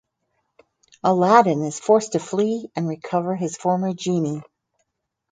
Aladdin is forced to flee and recover his former genie.